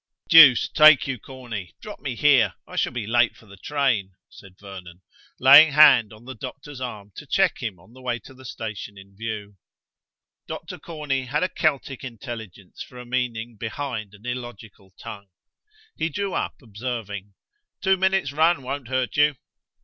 "Deuce take you, Corney, drop me here; I shall be late for the train," said Vernon, laying hand on the doctor's arm to check him on the way to the station in view. Dr Corney had a Celtic intelligence for a meaning behind an illogical tongue. He drew up, observing. "Two minutes run won't hurt you."